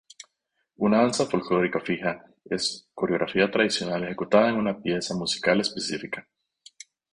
Una danza folclórica fija es coreografía tradicional ejecutada en una pieza musical específica.